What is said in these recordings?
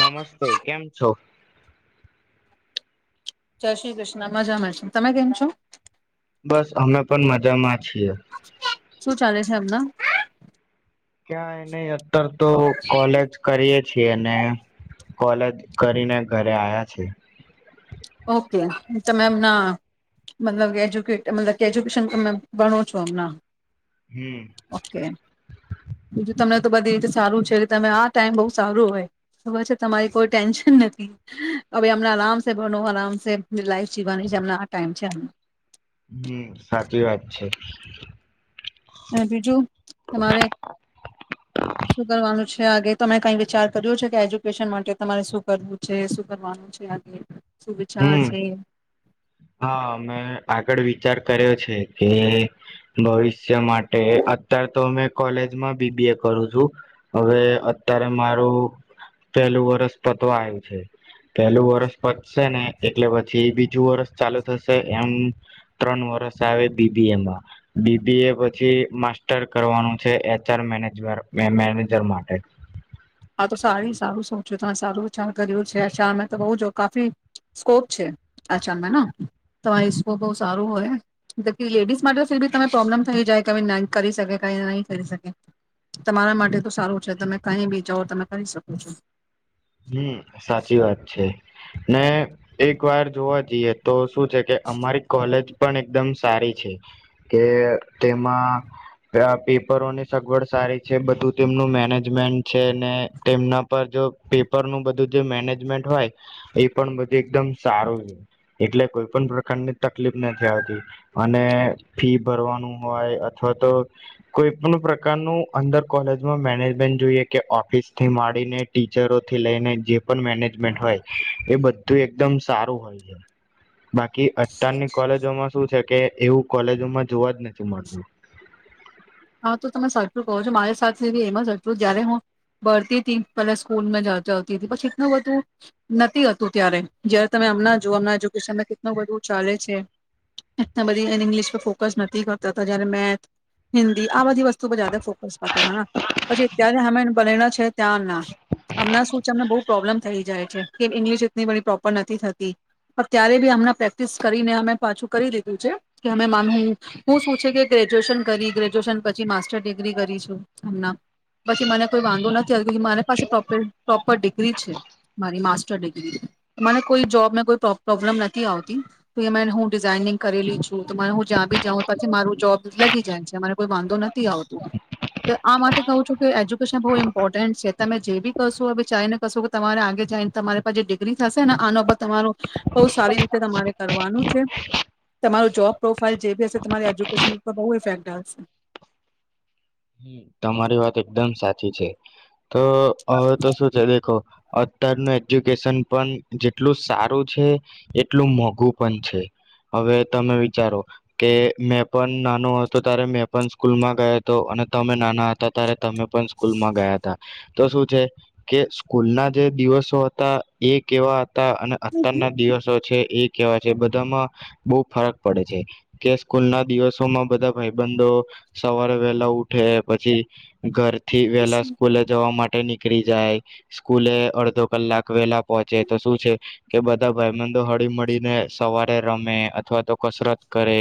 નમસ્તે, કેમ છો? જય શ્રી કૃષ્ણ, મજા મળશે. તમે કેમ છો? બસ, અમે પણ મજામાં છીએ. શું ચાલે છે એમના? ક્યાં એ નહીં. અત્યારે તો કોલેજ કરીએ. છે, અને કોલેજ કરીને ઘરે આવ્યા છે. ઓકે, તમે એમના મતલબ એજ્યુકેશન, એજ્યુકેશન ભણો છો હમણાં? હમ ઓકે, બીજું તમને તો બધી રીતે સારું છે. તમે આ ટાઈમ બહુ સારું હોય. તમારી કોઈ ટેન્શન નથી. હવે અમને આરામ ધણો આરામ છે. લાઈફ જોવાની છે. હમણા આ ટાઈમ ચાલ. હમ, સાચી વાત છે. અને બીજું તમારે શું કરવાનું છે? આગે તમે કઈ વિચાર કર્યો છે, એજ્યુકેશન માટે તમારે શું કરવું છે, શું કરવાનું છે આગે? શું વિચાર હમ, છે હા, મેં આગળ વિચાર્યું. વિચાર કર્યો છે કે ભવિષ્ય માટે, અત્યારે તો અ કોલેજમાં બીબી એ કરું છું. હવે અત્યારે મારું પહેલું વર્ષ પતવા આવ્યું છે, પેલું વર્ષ પ ને એટલે પછી બીજું વર્ષ ચાલુ થશે. એમ ત્રણ વર્ષ આવે બીબીએમાં. બીબીએ પછી માસ્ટર કરવાનું છે, એચઆર મેજ મેનેજર માટે. આ તો સારી સારું શું છે, તમે સારું વિચાર કર્યું છે. એચાર તો બહુ જો કાફી સ્કોપ છે. એચારમાં તમારી સ્કોપ બહુ સારું હોય. લેડીઝ માટે સીધી બી, તમે પ્રોબ્લેમ થઈ જાય કે ન કરી શકે, કંઈ નહીં કરી શકે. તમારા માટે તો સારું છે. તમે કઈ બી જોવ, તમે કરી શકો છો. હમ, સાચી વાત છે. ને એક વાર જોવા જઈએ, તો શું છે કે, અમારી કોલેજ પણ એકદમ. સારી છે કે, તેમાં પેપરોની સગવડ સારી છે. બધું તેમનું મેનેજમેન્ટ છે ને, તેમના પર જો પેપર નું બધું જે મેનેજમેન્ટ હોય, એ પણ એકદમ સારું છે. એટલે કોઈ પણ પ્રકારની તકલીફ નથી આવતી અને ફી ભરવાનું હોય અથવા તો કોઈ પણ પ્રકારનું અંદર કોલેજમાં મેનેજમેન્ટ જોઈએ કે ઓફિસ થી માડીને ટીચરોથી લઈને જે પણ મેનેજમેન્ટ હોય એ બધું એકદમ સારું હોય છે બાકી અત્યારની કોલેજોમાં શું છે કે એવું કોલેજોમાં જોવા જ નથી મળતું હા તો તમે સરચું કહો છો મારી સાથેી એમાં સચું જયારે હું ભરતી હતી પહેલા સ્કૂલમાં જતી હતી પછ એટલું બધું નથીતું ત્યારે જય્યારે તમે અમ જોમ એજ્યુકેશન કેટલ બધું ચાલે છે એટ બધી ઇંગ્લિશ પર ફોકસ નથી કરતા હતા જ્યારે મેથ હિન્દી આ બધી વસ્તુ પર જારે ફોકસ કરતા હ પછી અ્યારે અમે બનેલા છે ત્યાંના હમણાં શું છે અમને બહુ પ્રોબ્લેમ થઈ જાય છે કે ઇંગ્લિશ એટલી બણી પ્રોપર નથી થતી અત્યારે બી આમણા પ્રેક્ટિસ કરીને અમે પાછું કરી લીધું છે કે અમે મામ હું શું છે કે ગ્રેજ્યુએશન કરી ગ્રેજ્યુએશન પછી માસ્ટર ડિગ્રી કરી છું હમના પછી મને કોઈ વાગો નથી આવતો મારી પાસે પ્રોપર ડિગ્રી છે મારી માસ્ટર ડિગ્રી મને કોઈ જોબને કોઈ પ્રોબ્લમ નથી આવતી તો એ હું ડિઝાઇનિંગ કરેલી છું તો હું જ્યાં બી જાઉં પછી મારું જોબ લગી જાય છે રે કોઈ વાંધો નથી આવતું આ માટે કહું છું કે એજ્યુકેશન બહુ ઇમ્પોર્ટન્ટ છે તમે જે બી કશો હ ચાાઈને કશો કે તમારે આગે જઈને તમારે પા જે ડિગ્રી થશે આનો તમારું બહુ સારી રીતે તમારે કરવાનું છે તમારું જોબ પ્રોફાાઈલ જે બી હશે તમારી એજ્યુકેશન ઉપર બહુ ઇફેક્ટ છે હમ. તમારી વાત એકદમ સાચી છે તો હવે તો શું છે દેખો અત્યારનું એજ્યુકેશન પણ જેટલું સારું છે એટલું મોંઘું પણ છે હવે તમે વિચારો કે મેં પણ નાનો હતો ત્યારે મેં પણ સ્કૂલમાં ગયો હતો અને તમે નાના હતા ત્યારે તમે પણ સ્કૂલ માં ગયા હતા તો શું છે કે સ્કૂલ ના જે દિવસો હતા એ કેવા અને અત્યારના દિવસો છે એ કેવાય છે બધામાં બહુ ફરક પડે છે કે સ્કૂલ ના દિવસોમાં બધા ભાઈબંધો સવારે વહેલા ઉઠે પછી ઘરથી વેલા હશે સ્કૂલે જવા માટે નીકળી જાય સ્કૂલે અધો કલાક વેલા પહોંચે તો શું છે કે બધા ભાઈબંધો હળી મળીને સવારે રમે અથવા તો કસરત કરે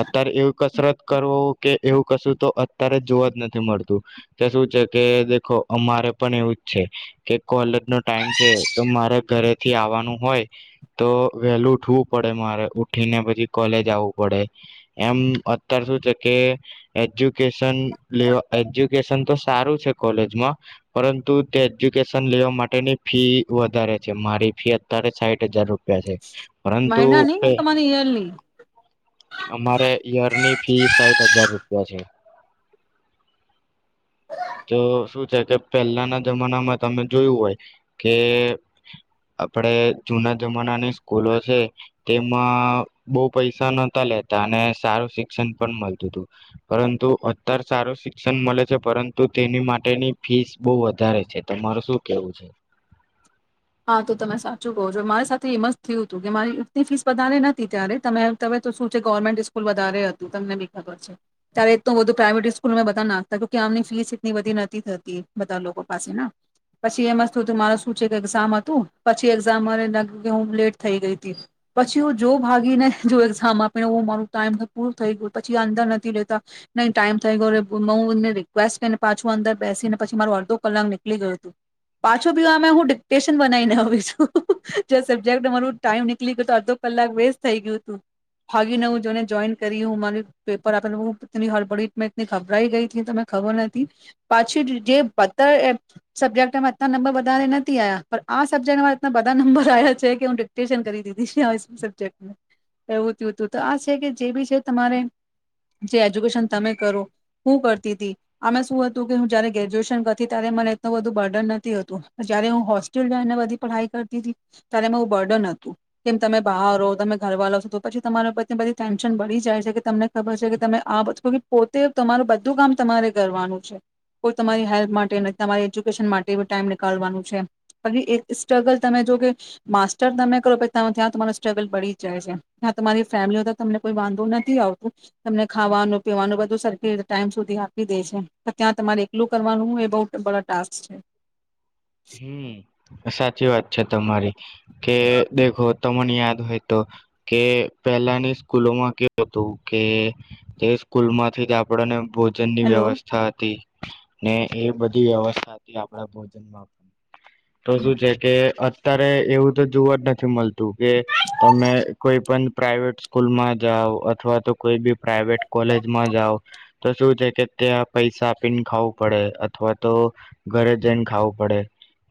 અત્યારે એવું કસરત કરવો કે એવું કશું તો અત્યારે જોવા જ નથી મળતું કે શું છે કે દેખો અમારે પણ એવું જ છે કે કોલેજ નો ટાઈમ છે તો મારે ઘરે થી આવવાનું હોય તો વેલું ઉઠવું પડે મારે ઉઠીને પછી કોલેજ આવું પડે એમ અત્યારે શું છે કે [unintelligible] તો સારું છે કોલેજમાં પરંતુ તે એજ્યુકેશન લેવા માટેની ફી વધારે છે મારી ફી અત્યારે સાઈ હજાર રૂપિયા છે પરંતુ મહિના નહી તમારી યરલી અમારે યરની ફી સાઠ હજાર રૂપિયા છે. તો શું છે કે પહેલાના જમાનામાં તમે જોયું હોય કે આપણેે જુના જમાનાની સ્કૂલો છે તેમાં બહુ પૈસા નહતા લેતા અને સારું શિક્ષણ પણ મળતું હતું પરંતુ અત્યારે સારું શિક્ષણ મળે છે પરંતુ તેની માટેની ફીસ બહ વધારે છે તમાર શું કેવું છે. હા તો તમે સાચું કહો છો મારી સાથે એ મસ્ત થયું હતું કે મારીની ફીસ વધારે નતી ત્યારે તમે તમે તો શું છે ગવર્મેન્ટ સ્કૂલ વધારે હતું તમને બી ખબર છે ત્યારે એટલ બધું પ્રાાઈવેટ સ્કૂલ બધા નાખતા કે આમની ફીસ એટલી બી નથી થતી બધા લોકો પાસે પછી એ મસ્ત થયું હતું મારો શું છે કે એામ હતું પછી એઝામ મા હું લેટ થઈ ગઈ હતી પછી હું જો ભાગીને જો એક્ઝામ આપીને મારું ટાઈમ પૂરું થઈ ગયું પછી અંદર નથી લેતા નહી ટાઈમ થઈ ગયો હુંને રિકવેસ્ટ કરીને પાછું અંદર બેસીને પછી મારું અડધો કલાક નીકળી ગયું હતું પાછું બીમે હું પ્યેશન બનાવીને આવીશું જે સબ્જેક્ટ મારું ટાઈમ નીકળી ગયું તો અડધો કલાક વેસ્ટ થઈ ગયું હતું ભાગીને હું જોને જોઈન કરી હું માર પેપર આપે હુંની હળબળ મેંની ખભરાઈ ગઈ હતી તને ખબર નથી પાછી જે પતર એ સબ્જેક્ટમાં એટના નંબર વધારે નથી આવ્યા. આ સબ્જેક્ટ મારા બધા નંબર આવ્યા છે કે હું ડિક્ટેશન કરી દીધી સબ્જેક્ટ એવુંું હતું તો આ છે કે જે બી છે તમારે જે એજ્યુકેશન તમે કરો હું કરતી હતી આમે શું હતું કે હું જયારે ગ્રેજ્યુએશન કરતી ત્યારે મને એટલ બધું બર્ડન નથી હતું જ્યારે હું હો જોને બધી પઢાઈ કરતી હતી ત્યારે એમાં એવું બર્ડન હતું કેમ તમે બહાર હો તમે ઘરવાળો છો તો પછી તમારા બધને બધી ટેન્શન બળી જાય છે કે તમને ખબર છે કે તમે આ બ પોતે તમારું બધું કામ તમારે કરવાનું છે કોઈ તમારી હેલ્પ માટે નથી તમારી એજ્યુકેશન માટે બ ટાઈમ નીકળવાનું છે. પી એ સ્ટ્રગલ તમે જો કે માસ્ટર તમે કરો પછ ત્યાં તમારું સ્ટ્રગલ બળી જ જાય છે ત્યાં તમારી ફેમિલીઓ તો તમને કોઈ વાંધો નથી આવતું તમને ખાવાનું પીવાનું બધું સરખી ટાઈમ સુધી આપી દે છે ત્યાં તમારે એકલું કરવાનું એ બહ બા ટાસ્ક છે. હમ. સાચી વાત છે તમારી કે દેખો તમને યાદ હોય તો કે પેલાની સ્કૂલોમાં કેવું હતું કે તે સ્કૂલ માંથી જ આપણને ભોજનની હેલો. વ્યવસ્થા હતી. ને એ બધી વ્યવસ્થા હતી આપડા ભોજન માં તો શું છે કે ત્યારે એવું તો જોવા જ નથી મળતું કે તમે કોઈ પણ પ્રાાઈવેટ સ્કૂલ માં જાઓ અથવા તો કોઈ બી પ્રાાઈવેટ કોલેજમાં જાઓ તો શું છે કે ત્યાં પૈસા આપીને ખાવું પડે અથવા તો ઘરે જઈને ખાવું પડે.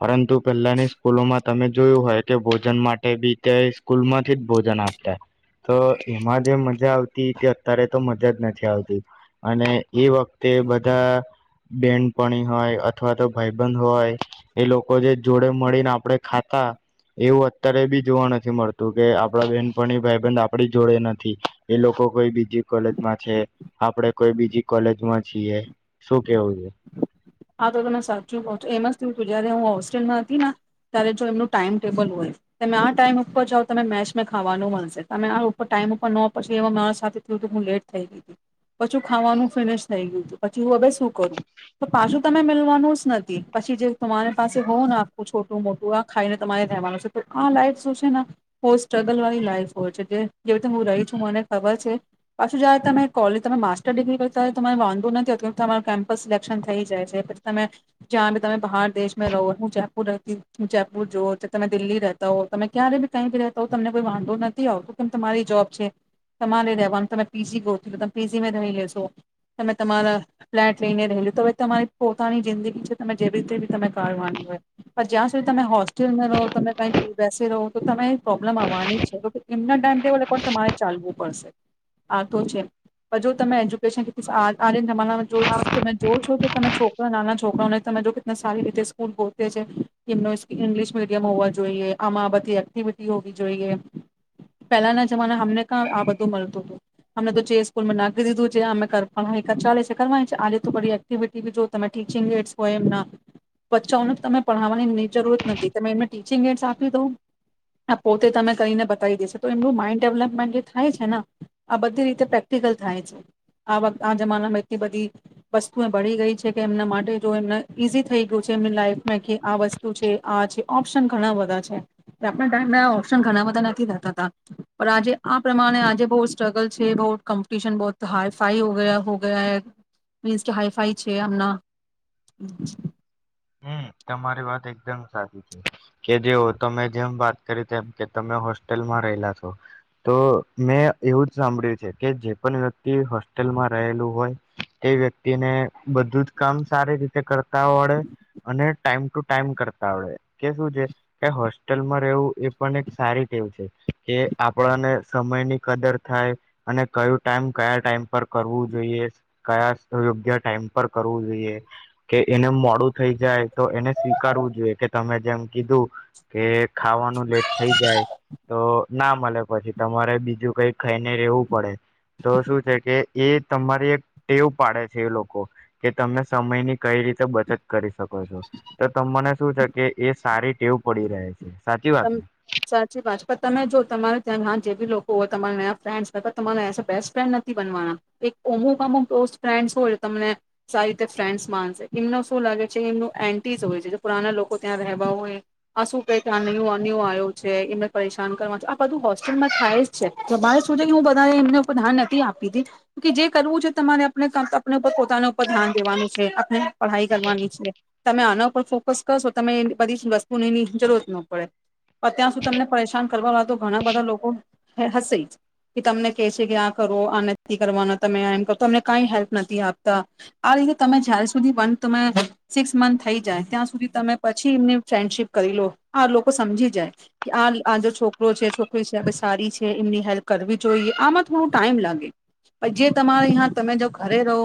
પરંતુ પહેલા ની સ્કૂલોમાં તમે જોયું હોય કે ભોજન માટે બી તં સ્કૂલ માંથી જ ભોજન આપતા તો એમાં જે મજા આવતી તે અત્યારે તો મજા જ નથી આવતી અને એ વખતે બધા બેનપણી હોય અથવા તો ભાઈબંધ હોય. એ લોકો જે જોડે મળીને આપણે ખાતા એવું અત્યારે બી જોવા નથી મળતું કે આપડા બેહેનપણી ભાઈબંધ આપડી જોડે નથી એ લોકો કોઈ બીજી કોલેજમાં છે આપણેે કોઈ બીજી કોલેજમાં છીએ શું કેવું છે. આ તો તમે સાચું એમ જ થયું જયારે હું હોસ્ટ્રેલમાં હતી ને ત્યારે જો એમનું ટાઈમ ટેબલ હોય તમે આ ટાઈમ ઉપર જાઓ તને મેચ મે ખાવાનું મળશે તમે આ ટાઈમ ઉપર ન પછી મારા સાથે થયું તો હું લેટ થઈ ગઈ હતી પછું ખાવાનું ફિનિશ થઈ ગયું પછી હું હવે શું કરું? પાછું તમે મલવાનું જ નથી પછી જે તમારી પાસે હોવ ને આખું છોટું મોટું આ ખાઈને તમારે રહેવાનું છે તો આ લાઈફ શું છે ને બુ સ્ટ્રગલ વાળી લાઈફ હોય છે જેવી રીતે હું રહી છું મને ખબર છે પાછું જાય તમે કોલેજ તમે માસ્ટર ડિગ્રી કરતા હો તો વાંધો નથી અત તમારું કેમ્પસ સિલેક્શન થ જાય છે પછી તમે જ્યાં બી તમે બહાર દેશમાં રહો હું જયપુરતી હ જયપુર જુ તમે દિલ્હી રતા હો તમે ક્યારે બી કઈ બી રતા હો તમને કોઈ વાંધો નથી આવતો કેમ તમારી જોબ છે તમારે રવાનું તમે પીજી ગો તમે પીજી રહી લેશો તમે તમારા ફ્લેટ લઈને ર લ તો હ તમારી પોતાની જિંદગી છે તમે જેવી રીતે બી તમે કરવાાઢની હોય પણ જ્યાં સુધી તમે હોસ્ટેલમાં રહો તમે કઈ બેસી રહો તો તમે એ પ્રોબ્લેમ આવવાની જ છે તો એમના ટાઈમ તમારે ચાલવું પડશે. આવતો છે પણ જો તમે એજ્યુકેશન તમારા તમે જો છો તમે છોકરા નાના છોકરાઓને તમે જો કે સારી રીતે સ્કૂલ ગોતે છે એમ ઇંગ્લિશ મીડિયમ હોવા જોઈએ આમાં બધી એક્ટિવિટી હોવી જોઈએ પેલાના જમાના અમને ક આ બધું મળતું હતું અમને તો જે સ્કૂલ નાખી દીધું છે કરવા ચાલે છે કરવા આજે તો એક્ટિવિટી જો તમે ટીચિંગ એડ્સ હોય એમના વચ્ચાઓને તમે પઢાવવાની એમની જરૂરત નથી તમે એમને ટીચિંગ એડ્સ આપી દો આ પોતે તમે કરીને બતાવી દેશેો તો એમનું માઈન્ડ ડેવલપમેન્ટ જે થાય છે ને આ બધી રીતે પ્રેક્ટિકલ થાય છે આ આ જમાનામાં એટલી બધી વસ્તુ ભળી ગઈ છે કે એમના માટે જો એમને ઈઝી થઈ ગયું છે એમની લાઈફમાં કે આ વસ્તુ છે આ છે ઓપ્શન ઘણા બધા છે આપણા ટાઈમ આ ઓપ્શન ઘણા બધા નથી થતા હતા પણ આજે આ પ્રમાણે આજે બહુ સ્ટ્રગલ છે બહુ કોમ્પિટિશન બહુ હાઈ ફાઈયા હો ગયા મીન્સ કે હાઈફાઈ છે એમના હમ તમારી વાત એકદમ સાચી છે કે જેઓ તમે જેમ વાત કરી તેમ કે તમે હોસ્ટેલમાં રહેલા છો તો મેં એવું જ સાંભળ્યું છે કે જે પણ વ્યક્તિ હોસ્ટેલમાં રહેલું હોય તે વ્યક્તિને બધું જ કામ સારી રીતે કર કવાડે અને ટાઈમ ટુ ટાઈમ કરતા આવડે કે શું છે કે હોસ્ટેલમાં રહેવું એ પણ એક સારી ટેવ છે કે આપણાને સમયની કદર થાય અને કયોું ટાઈમ કયા ટાઈમ પર કરવું જોઈએ કયા યોગ્ય ટાઈમ પર કરવું જોઈએ કે એને મોડું થઈ જાય તો એને સ્વીકારવું જોઈએ કે તમે જેમ કીધું કે ખાવાનું લેટ થઈ જાય તો ના મળે પછી તમારે બીજું કઈ ખાઈને રહેેવું પડે તો શું છે કે એ તમારી એક ટેવ પાડે છે એ લોકો કે તમે સમયની કઈ રીતે બચત કરી શકો છો તો ત મને શું છે કે એ સારી ટેવ પડી રહે છે. સાચી ત વાત ને સાચથી પાંચ તમે જો તમારે ત્યાં ઘ જે બી લોકો હોય તમારા ન ફ્રેન્ડસ હોય તમારે એસે બેસ્ટ ફ્રેન્ડ નથી બનવાના એક અમુક અમુક ક્લોઝ ફ્રેન્ડ્સ હોય તમને સારી રીતે ફ્રેન્ડ્સ માન એમને શું લાગે છે એમ એન્ટીસ હોય છે પુના લોકો ત્યાં રહેવા હોય આ શું ક આ નન આવ્યો છે એમને પરેશાન કરવા આ બધું હોસ્ટેલમાં થાય છે હું બધા એમને ઉપર ધ્યાન નથી આપી દી કે જે કરવું છે તમારે આપ ઉપર પોતાના ઉપર ધ્યાન દેવાનું છે આપ પઢાઈ કરવાની છે તમે આના ઉપર ફોકસ કરશો તમે બધી જ વસ્તુનીની જરૂરત ન ડ ત્યાં સુધી તમને પરેશાન કરવા વાળા તો ઘણા બધા લોકો હશે જ કે તમને કે છે કે આ કરો આ નથી કરવાના તમે એમ કરો તમને કઈ હેલ્પ નથી આપતા આ રીતે તમે જં સુધી વ સિક્સ મંથ થઈ જાય ત્યાં સુધી તમે પછી એમની ફ્રેન્ડશીપ કરી લો આ લોકો સમજી જાય કે આ આ જો છોકરો છે છોકરી છે સારી છે એમની હેલ્પ કરવી જોઈએ આમાં થોડું ટાઈમ લાગે પણ જે તમારે્યાં તમે જો ઘરે રહો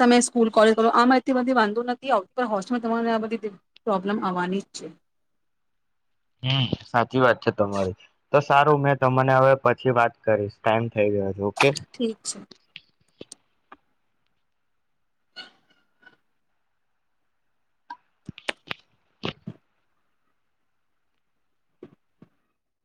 તમે સ્કૂલ કોલેજ કરો આમાં એટલી બધી વાંધો નથી આવતું પણ હોસ્ટેલમાં તમારે આ બધી પ્રોબ્લમ આવવાની જ છે હમ સાચી વાત છે તમારી તો સારું મેં તમને હવે પછી વાત કરીશ ટાઈમ થઈ ગયા છે ઓકે ઠીક છે